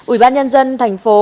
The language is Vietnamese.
ủy ban nhân dân tp